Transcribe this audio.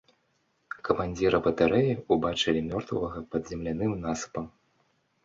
Камандзіра батарэі ўбачылі мёртвага пад земляным насыпам.